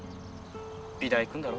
美大行くんだろ？